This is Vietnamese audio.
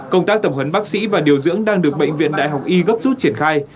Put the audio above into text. công tác tập hấn bác sĩ và điều dưỡng đang được bệnh viện đại học y gấp rút triển khai